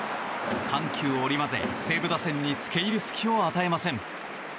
緩急を織り交ぜ、西武打線に付け入る隙を与えません。